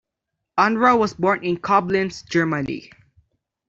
Unruh was born in Koblenz, Germany.